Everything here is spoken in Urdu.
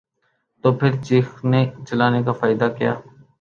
تو پھر چیخنے چلانے کا فائدہ کیا؟